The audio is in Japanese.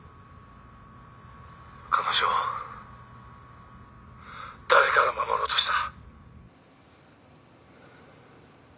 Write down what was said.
彼女を誰から守ろうとした？